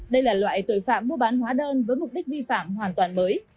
đây là loại tội phạm mua bán hóa đơn với mục đích vi phạm hoàn toàn mới